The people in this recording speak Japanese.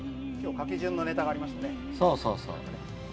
今日書き順のネタがありましたね。